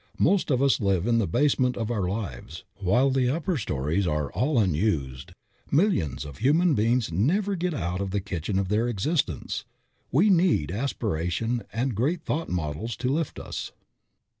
Most of us live in the basement of our lives, while the upper stories are all unused. Millions of human beings never get out of the kitchen of their existence. We need aspiration and great thought models to lift us.